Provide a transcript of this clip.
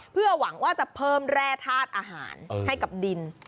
เพื่อหวังว่าจะเพิ่มแร่ธาตุอาหารให้กับดิน